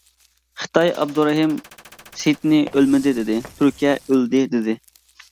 خىتاي ئابدۇرەھىم سېيىتنى ئۆلمىدى دېدى، تۈركىيە ئۆلدى دېدى.